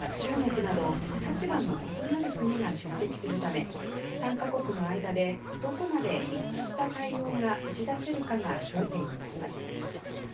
ロシア、中国など立場の異なる国が出席するため参加国の間でどこまで一致した対応が打ち出せるかが焦点になります。